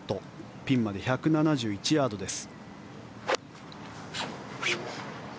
ピンまで１７１ヤードです。